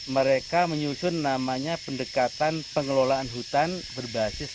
mereka menyusun namanya pendekatan pengelolaan hutan berbasis